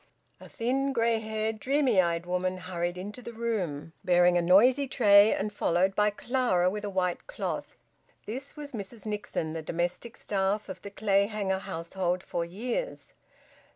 A thin, grey haired, dreamy eyed woman hurried into the room, bearing a noisy tray and followed by Clara with a white cloth. This was Mrs Nixon, the domestic staff of the Clayhanger household for years.